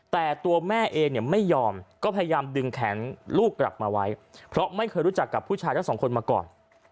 แต่ตัวแม่เองเนี่ยไม่ยอมก็พยายามดึงแขนลูกกลับมาไว้เพราะไม่เคยรู้จักกับผู้ชายทั้งสองคนมาก่อน